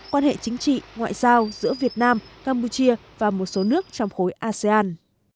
quan hệ chính trị ngoại giao giữa việt nam campuchia và một số nước trong khối asean